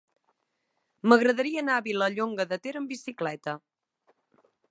M'agradaria anar a Vilallonga de Ter amb bicicleta.